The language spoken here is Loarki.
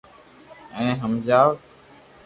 ايني ھمجاو